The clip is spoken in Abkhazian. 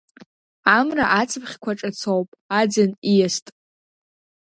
Амра ацыԥхьқәа ҿацоуп, аӡын ииаст.